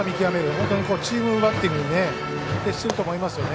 本当にチームバッテリーできてると思いますよね。